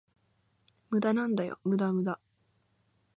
無駄なんだよ、無駄無駄